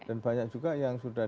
oke dan banyak juga yang sudah